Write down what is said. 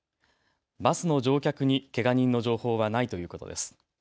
バスの乗客にけが人の情報はないということです。